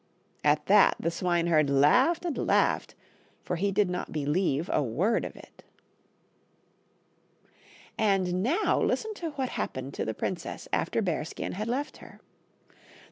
At that the swineherd laughed and laughed, for he did not believe a word of it. And now listen to what happened to the princess after Bearskin had left her.